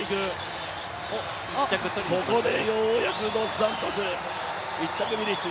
ここでようやくドスサントス、１着フィニッシュ。